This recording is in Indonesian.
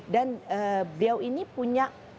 dan beliau ini punya